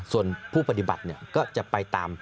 ส่วนผู้ปฏิบัติก็จะไปตาม